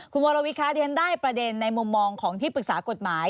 คุณวรวิทคะเรียนได้ประเด็นในมุมมองของที่ปรึกษากฎหมาย